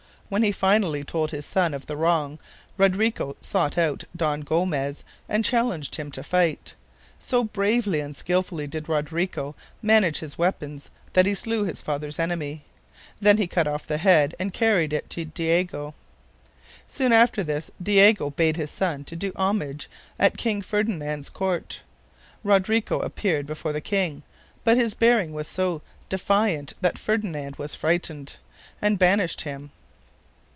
When he finally told his son of the wrong, Rodrigo sought out Don Gomez and challenged him to fight. So bravely and skilfully did Rodrigo manage his weapons that he slew his father's enemy. Then he cut off the head and carried it to Diego. Soon after this Diego bade his son do homage at King Ferdinand's court. Rodrigo appeared before the king, but his bearing was so defiant that Ferdinand was frightened, and banished him.